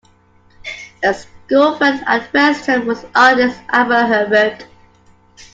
A schoolfriend at West Ham was artist Albert Herbert.